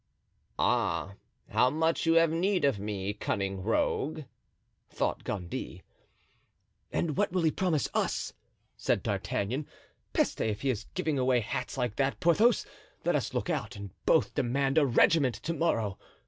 "Ah! how much you have need of me, cunning rogue!" thought Gondy. ("And what will he promise us?" said D'Artagnan. "Peste, if he is giving away hats like that, Porthos, let us look out and both demand a regiment to morrow.